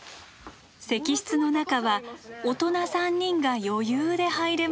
石室の中は大人３人が余裕で入れます。